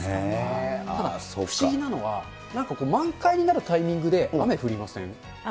ただ不思議なのは、なんかこう、満開になるタイミングで雨降りません？